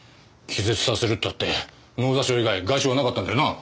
気絶させるったって脳挫傷以外外傷はなかったんだよなあ？